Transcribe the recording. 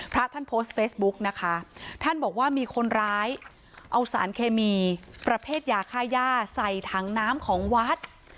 พระท่านโพสต์เฟซบุ๊กนะคะท่านบอกว่ามีคนร้ายเอาสารเคมีประเภทยาค่าย่าใส่ถังน้ำของวัด